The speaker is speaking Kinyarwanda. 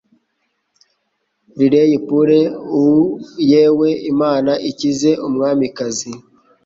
Riley Poole: Uh - yewe! Imana ikize Umwamikazi!